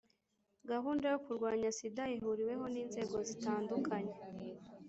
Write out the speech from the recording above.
gahunda yo kurwanya sida ihuriweho n'inzego zitandukanye